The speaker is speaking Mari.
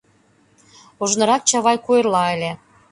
Ожнырак Чавай куэрла ыле.